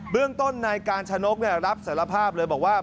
เรื่องต้นนายกาญชนกรับสารภาพเลยบอกว่า